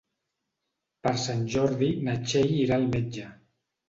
Per Sant Jordi na Txell irà al metge.